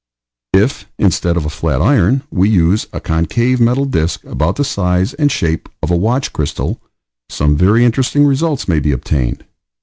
If, instead of a flat iron, we use a concave metal disk about the size and shape of a watch crystal, some very interesting results may be obtained.